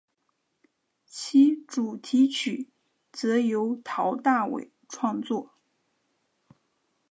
其主题曲则由陶大伟创作。